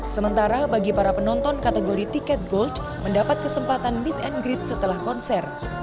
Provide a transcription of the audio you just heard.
sementara bagi para penonton kategori tiket gold mendapat kesempatan meet and greet setelah konser